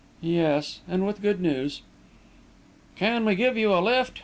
"Yes and with good news." "Can we give you a lift?"